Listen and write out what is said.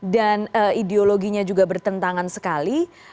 dan ideologinya juga bertentangan sekali